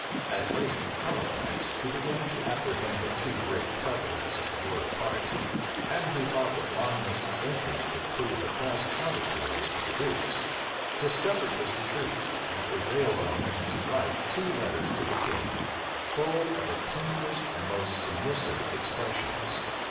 At length, Halifax, who began to apprehend the too great prevalence of the royal party, and who thought that Monmouth's interest would prove the best counterpoise to the duke's, discovered his retreat, and prevailed on him to write two letters to the king, full of the tenderest and most submissive expressions.